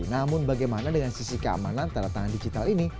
namun bagaimana dengan sisi keamanan tanda tangan digital ini